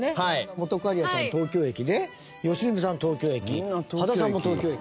本仮屋さんは東京駅で良純さん、東京駅羽田さんも東京駅。